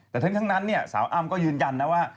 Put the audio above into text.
แต่ทั้งนั้นสาวอ้ำก็ยืนยันนะว่า